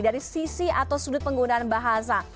dari sisi atau sudut penggunaan bahasa